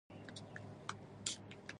د سپرم د کموالي لپاره باید څه شی وکاروم؟